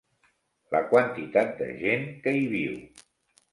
La quantitat de gent que hi viu.